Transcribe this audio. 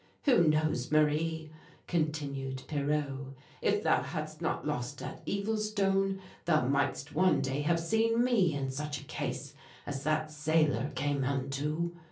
"Who knows, Marie," continued Pierrot, "if thou hadst not lost that evil stone thou might'st one day have seen me in such a case as that sailor came unto!"